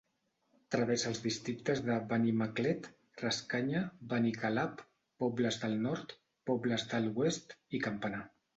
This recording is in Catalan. Travessa els districtes de Benimaclet, Rascanya, Benicalap, Pobles del Nord, Pobles de l'Oest i Campanar.